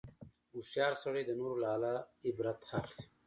هوښیار سړی د نورو له حاله عبرت اخلي.